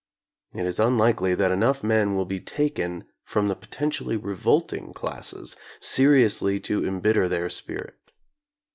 It is un likely that enough men will be taken from the po [913 tentially revolting classes seriously to embitter their spirit.